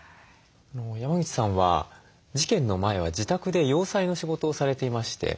山口さんは事件の前は自宅で洋裁の仕事をされていまして。